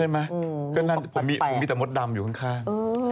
ใช่ไหมผมมีแต่มดดำอยู่ข้าง